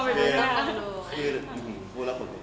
ว่าอย่างไรดิอะไรแบบนี้